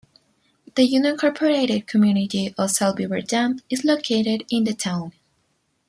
The unincorporated community of South Beaver Dam is located in the town.